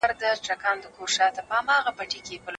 ولي د ښه ژوند په اړه د خلګو نظرونه توپیر لري؟